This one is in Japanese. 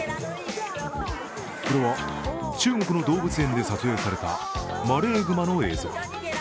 これは、中国の動物園で撮影されたマレーグマの映像。